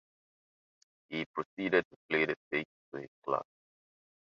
He proceeded to play the tape to his class.